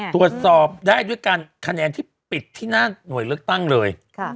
ตรวจสอบได้ด้วยการคะแนนที่ปิดที่หน้าหน่วยเลือกตั้งเลย